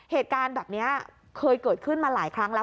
เหตุการณ์แบบนี้เคยเกิดขึ้นมาหลายครั้งแล้ว